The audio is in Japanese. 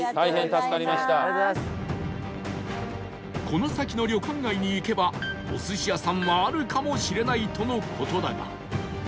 この先の旅館街に行けばお寿司屋さんはあるかもしれないとの事だが